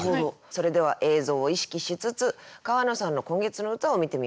それでは映像を意識しつつ川野さんの今月の歌を見てみましょう。